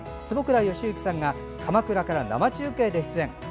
坪倉由幸さんが鎌倉から生中継で出演。